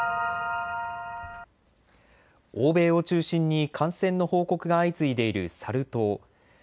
欧米を中心に感染の報告が相次いでいるサル痘。